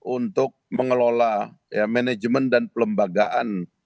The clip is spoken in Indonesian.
untuk mengelola manajemen dan pelembagaan